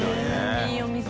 いいお店。